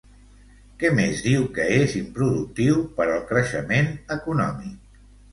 Què més diu que és improductiu per al creixement econòmic?